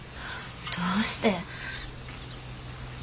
どうして？